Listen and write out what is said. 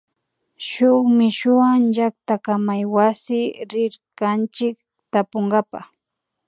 Shuk mishuwa llaktakamaywasi rirkanchik tapunkapa